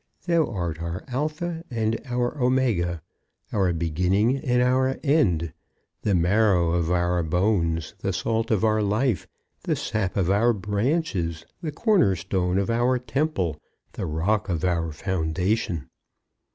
Thou art our Alpha and our Omega, our beginning and our end; the marrow of our bones, the salt of our life, the sap of our branches, the corner stone of our temple, the rock of our foundation.